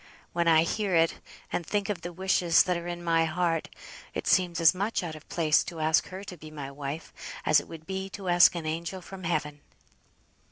When I hear it, and think of the wishes that are in my heart, it seems as much out of place to ask her to be my wife, as it would be to ask an angel from heaven."